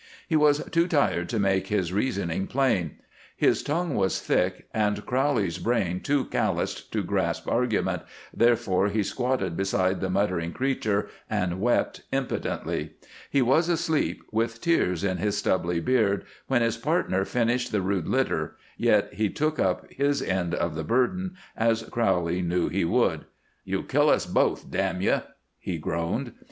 He was too tired to make his reasoning plain; his tongue was thick, and Crowley's brain too calloused to grasp argument, therefore he squatted beside the muttering creature and wept impotently. He was asleep, with tears in his stubbly beard, when his partner finished the rude litter, yet he took up his end of the burden, as Crowley knew he would. "You'll kill us both, damn ye!" he groaned.